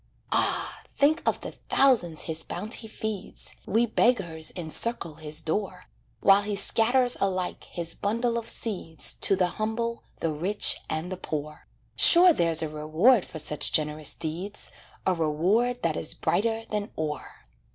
Ah! think of the thousands his bounty feeds We beggars encircle his door, While he scatters alike his bundle of seeds To the humble, the rich, and the poor. Sure there's a reward for such generous deeds, A reward that is brighter than ore!